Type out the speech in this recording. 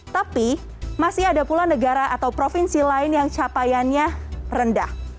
tapi masih ada pula negara atau provinsi lain yang capaiannya rendah